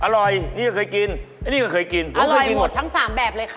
อร่อยนี่ก็เคยกินไอ้นี่ก็เคยกินอร่อยกินหมดทั้งสามแบบเลยค่ะ